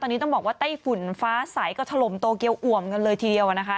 ตอนนี้ต้องบอกว่าไต้ฝุ่นฟ้าใสก็ถล่มโตเกียวอ่วมกันเลยทีเดียวนะคะ